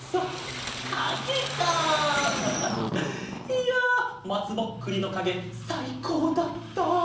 いやまつぼっくりのかげさいこうだった。